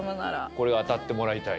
これは当たってもらいたい。